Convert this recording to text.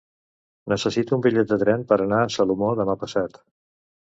Necessito un bitllet de tren per anar a Salomó demà passat.